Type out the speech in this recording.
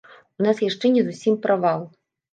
У нас яшчэ не зусім правал.